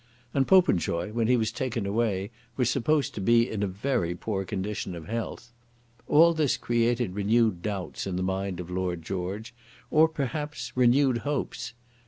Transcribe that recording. And Popenjoy, when he was taken away, was supposed to be in a very poor condition of health. All this created renewed doubts in the mind of Lord George, or rather, perhaps, renewed hopes.